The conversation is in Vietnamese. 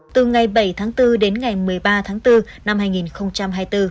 từ ngày bảy tháng bốn đến ngày một mươi ba tháng bốn năm hai nghìn hai mươi bốn